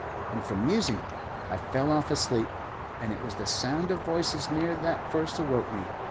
And from musing I fell off asleep; and it was the sound of voices near that first awoke me!